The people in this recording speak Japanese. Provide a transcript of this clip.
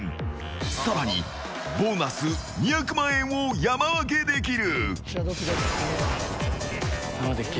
更に、ボーナス２００万円を山分けできる。